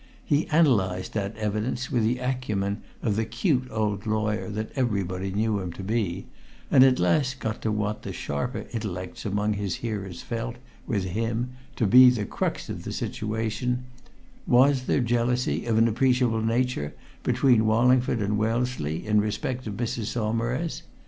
He analysed that evidence with the acumen of the cute old lawyer that everybody knew him to be, and at last got to what the sharper intellects amongst his hearers felt, with him, to be the crux of the situation was there jealousy of an appreciable nature between Wallingford and Wellesley in respect of Mrs. Saumarez?